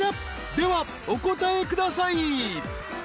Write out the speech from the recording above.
ではお答えください］